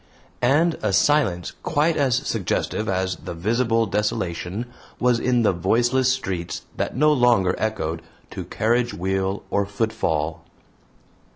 And a silence quite as suggestive as the visible desolation was in the voiceless streets that no longer echoed to carriage wheel or footfall.